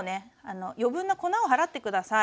余分な粉を払って下さい。